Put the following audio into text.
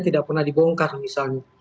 tidak pernah dibongkar misalnya